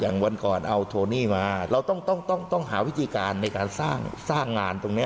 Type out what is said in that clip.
วันก่อนเอาโทนี่มาเราต้องหาวิธีการในการสร้างงานตรงนี้